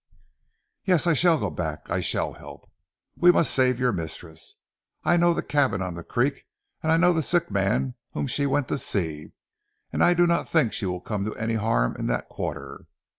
"Yes I shall go back. I shall help. We must save your mistress. I know the cabin on the creek and I know the sick man whom she went to see; and I do not think she will come to any harm in that quarter.